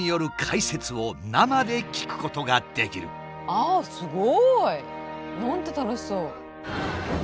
ああすごい！なんて楽しそう！